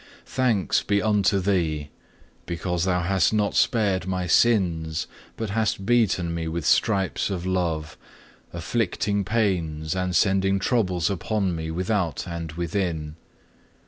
5. Thanks be unto Thee, because Thou hast not spared my sins, but hast beaten me with stripes of love, inflicting pains, and sending troubles upon me without and within.